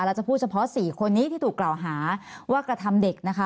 จะพูดเฉพาะ๔คนนี้ที่ถูกกล่าวหาว่ากระทำเด็กนะคะ